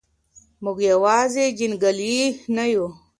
موږ یوازې جنګیالي نه یو.